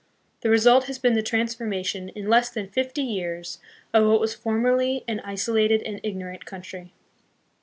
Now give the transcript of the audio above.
The result has been the transformation, in less than fifty years, of what was formerly an isolated and ignorant country.